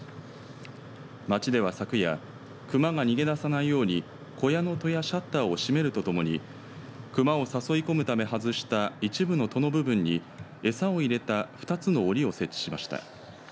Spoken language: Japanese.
町では昨夜熊が逃げ出さないように小屋の戸やシャッターを閉めるとともに熊を誘い込むために外した一部の戸の部分に、餌を入れた２つのおりを設置しました。